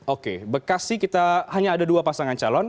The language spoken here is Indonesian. oke bekasi kita hanya ada dua pasangan calon